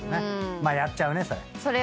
まあやっちゃうねそれ。